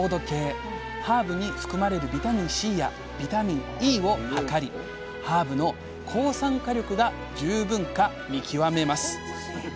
ハーブに含まれるビタミンＣやビタミンＥを測りハーブの抗酸化力が十分か見極めます。